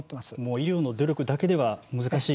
医療の努力だけでは難しい。